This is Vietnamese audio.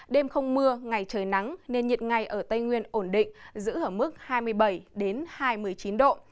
đêm không mưa ngày trời nắng nên nhiệt ngày ở tây nguyên ổn định giữ ở mức hai mươi bảy hai mươi chín độ